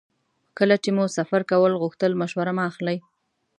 کله چې مو سفر کول غوښتل مشوره مه اخلئ.